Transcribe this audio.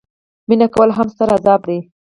مینه کول هم ستر عذاب دي.